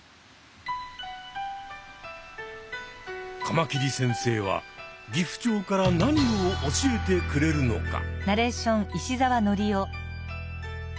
カマキリ先生はギフチョウから何を教えてくれるのか。